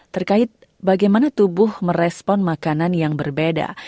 terkait bagaimana tubuh merespon makanan yang berbeda